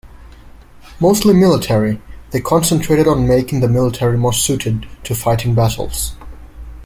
Mostly military, they concentrated on making the military more suited to fighting battles.